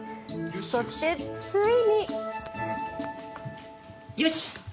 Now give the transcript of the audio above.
そして、ついに。